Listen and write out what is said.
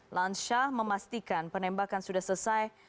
lansyah memastikan penembakan sudah selesai